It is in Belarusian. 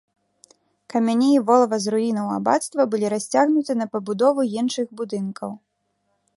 Камяні і волава з руінаў абацтва былі расцягнуты на пабудову іншых будынкаў.